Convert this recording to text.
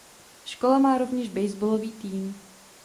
Škola má rovněž baseballový tým.